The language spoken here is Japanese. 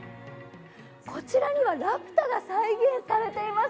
こちらにはラピュタが再現されています。